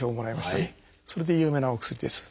それで有名なお薬です。